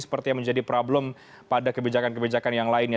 seperti yang menjadi problem pada kebijakan kebijakan yang lainnya